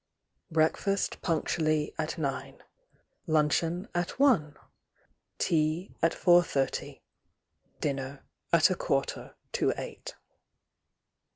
Breakfast punctually at nine, — luncheon at one, — tea at four thirty,— idinner at a quarter to eight.